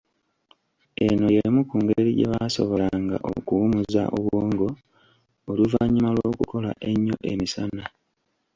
Eno y’emu ku ngeri gye baasobolanga okuwummuza obwongo oluvanyuma lw’okukola ennyo emisana.